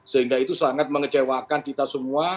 sehingga itu sangat mengecewakan kita semua